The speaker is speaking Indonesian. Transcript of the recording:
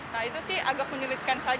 nah itu sih agak menyulitkan